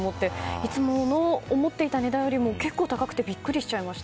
いつもの思っていた値段よりも結構、高くてビックリしちゃいました。